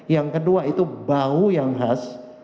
yang kedua itu bau yang khas